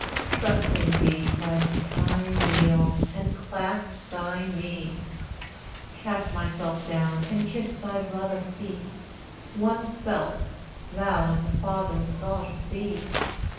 Trusting thee, Christ, I kneel, and clasp thy knee; Cast myself down, and kiss thy brother feet One self thou and the Father's thought of thee!